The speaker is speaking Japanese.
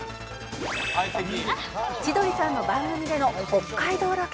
「千鳥さんの番組での北海道ロケ」